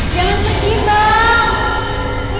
jangan pergi bang